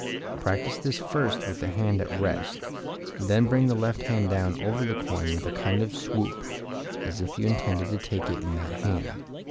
Practice this first with the hand at rest, then bring the left hand down over the coin with a kind of swoop as if you intended to take it in that hand.